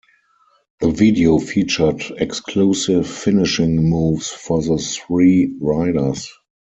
The video featured exclusive finishing moves for the three Riders.